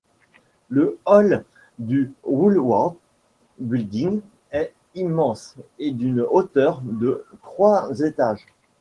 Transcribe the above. Le hall du Woolworth Building est immense, et d'une hauteur de trois étages.